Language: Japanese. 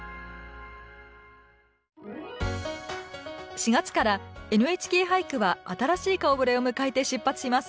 ４月から「ＮＨＫ俳句は」新しい顔ぶれを迎えて出発します。